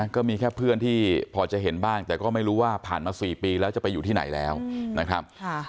ก็มีแค่เพื่อนที่พอจะเห็นบ้างแต่ก็ไม่รู้ว่าผ่านมา๔ปีแล้วจะไปอยู่ที่ไหนแล้วนะครับ